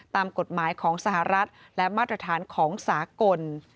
ตามกฎหมายของสหรัฐและมาตรฐานของสากล